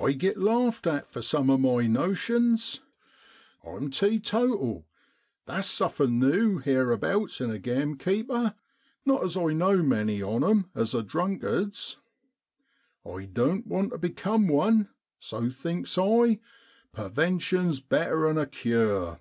'I git larfed at for some of my notions. I'm teetotal; that's somethin' new hereabouts in a gamekeeper, not as I know many on 'em as are drunkards. I doan't want ter become one, so, thinks I, pervention's better 'an a cure.